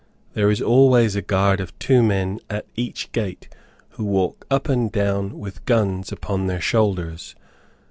There is always a guard of two men at each gate, who walk up and down with guns upon their shoulders.